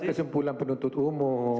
itu adalah kesimpulan penuntut umum